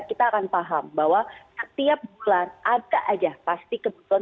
kita akan paham bahwa setiap bulan ada aja pasti kebutuhan